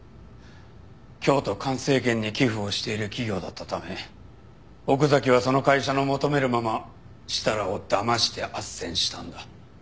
京都環生研に寄付をしている企業だったため奥崎はその会社の求めるまま設楽をだまして斡旋したんだ。